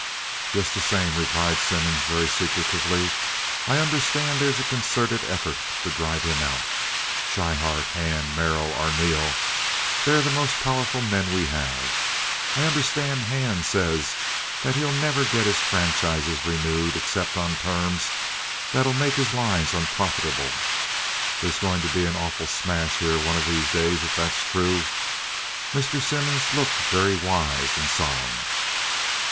"Just the same," replied Simmons, very secretively, "I understand there's a concerted effort on to drive him out. Schryhart, Hand, Merrill, Arneel—they're the most powerful men we have. I understand Hand says that he'll never get his franchises renewed except on terms that'll make his lines unprofitable. There's going to be an awful smash here one of these days if that's true." Mr. Simmons looked very wise and solemn.